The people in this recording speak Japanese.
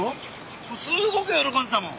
もうすごく喜んでたもん。